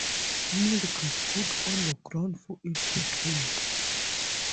Milk is put on the ground for it to drink.